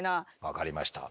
分かりました。